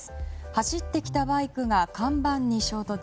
走ってきたバイクが看板に衝突。